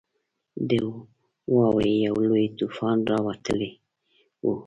د واورې یو لوی طوفان راالوتی وو.